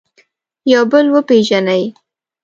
یو بل وپېژني.